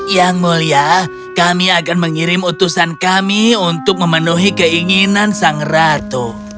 yang mulia kami akan mengirim utusan kami untuk memenuhi keinginan sang ratu